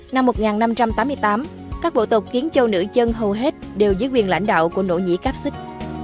năm một nghìn năm trăm tám mươi tám các bộ tộc kiến châu nữ chân hầu hết đều dưới quyền lãnh đạo của nỗ nhĩ cáp xích